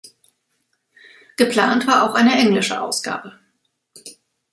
Geplant war auch eine englische Ausgabe.